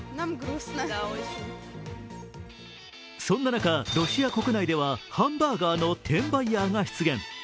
そんな中、ロシア国内ではハンバーガーの転売ヤーが出現。